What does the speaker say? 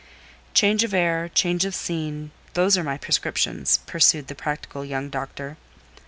"Change of air—change of scene; those are my prescriptions," pursued the practical young doctor.